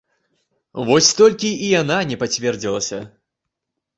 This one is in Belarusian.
Вось толькі і яна не пацвердзілася.